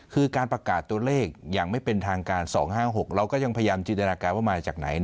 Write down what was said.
คือการประกาศตัวเลขอย่างไม่เป็นทางการ๒๕๖เราก็ยังพยายามจินตนาการว่ามาจากไหน